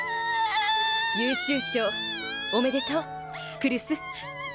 優秀賞おめでとう来栖。